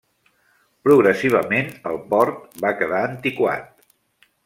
Progressivament el port va quedar antiquat.